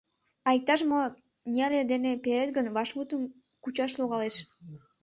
А иктаж мо неле дене перет гын, вашмутым кучаш логалеш.